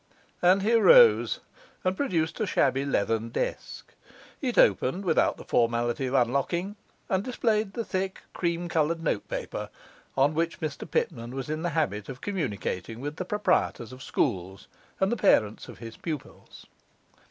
And he arose and produced a shabby leathern desk. It opened without the formality of unlocking, and displayed the thick cream coloured notepaper on which Mr Pitman was in the habit of communicating with the proprietors of schools and the parents of his pupils.